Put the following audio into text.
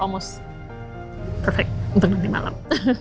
hampir sempurna untuk nanti malam